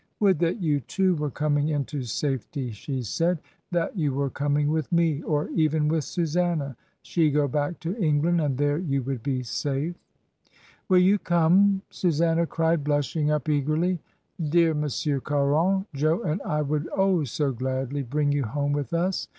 "Would that you, too, were coming into safety," she said; "that you were coming with me — or even with Susanna — she go back to England, and there you would be safe." "Will you come?" Susanna cried, blushing up ONE OLD FRIEND TO ANOTHER. 23 1 eargerly, "Dear Monsieur Caron! Jo and I would, oh SO gladly! bring you home with us.